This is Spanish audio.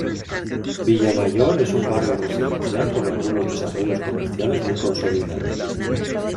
Villa Mayor es un barrio residencial con algunos desarrollos comerciales muy consolidados.